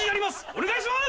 お願いします！